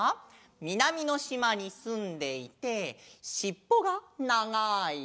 みなみのしまにすんでいてしっぽがながい。